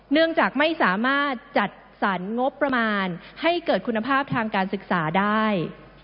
เนื่องจากไม่สามารถจัดสรรงบประมาณให้เกิดคุณภาพทางการศึกษาได้